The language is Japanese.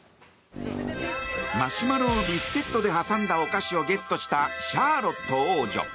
マシュマロをビスケットで挟んだお菓子をゲットした、シャーロット王女。